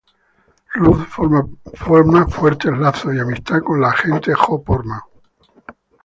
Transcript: Ruth forma fuertes lazos y amistad con la agente Jo Portman.